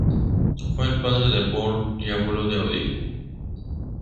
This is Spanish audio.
Fue el padre de Bor y abuelo de Odín.